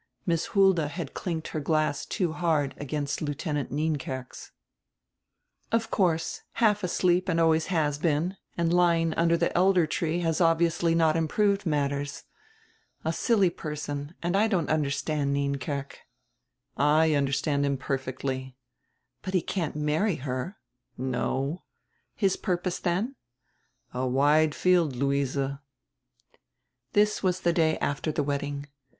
Miss Hulda had clinked her glass too hard against Lieutenant Nienkerk's. "Of course, half asleep and always has been, and lying under die elder tree has obviously not improved matters. A silly person, and I don't understand Nienkerk." "I understand him perfectly." "But he can't marry her." "No." "His purpose, then?" "A wide field, Luise." This was the day after die w r edding.